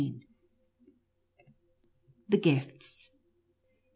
THE GIFTS.